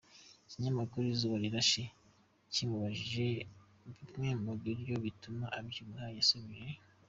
Ikinyamakuru Izuba Rirshe kimubajije bimwe mu biryo bituma abyibuha yasubije.